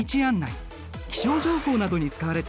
気象情報などに使われている。